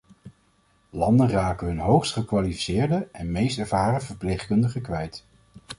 Landen raken hun hoogst gekwalificeerde en meest ervaren verpleegkundigen kwijt.